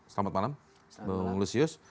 selamat malam lusius